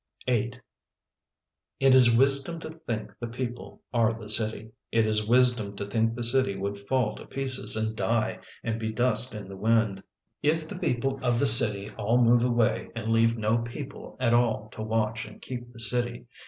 It is wisdom to think the people are the city. It is wisdom to think the city would fall to pieces and die and be dust in the wind. The Windy City 15 If the people of the city all move away and leave no people at all to watch and keep the city.